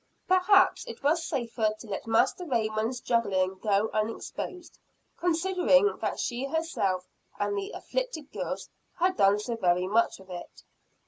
Perhaps it was safer to let Master Raymond's juggling go unexposed, considering that she herself and the "afflicted girls" had done so very much of it.